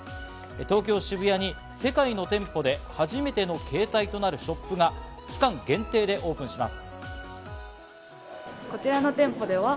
東京・渋谷に世界の店舗で初めての形態となるショップが期間限定でオープンします。